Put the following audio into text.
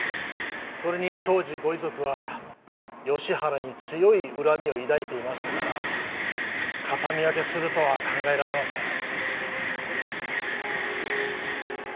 それに当時ご遺族は吉原に強い恨みを抱いていましたから形見分けするとは考えられません。